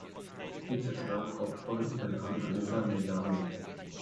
Die zentrale Hauptrolle übernahm Alyssa Milano.